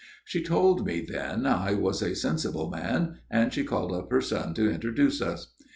She told me then I was a sensible man, and she called up her son to introduce us.